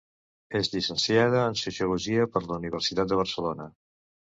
És llicenciada en Sociologia per la Universitat de Barcelona.